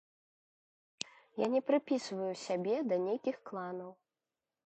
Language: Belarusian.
Я не прыпісваю сябе да нейкіх кланаў.